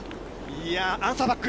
アンサーバック。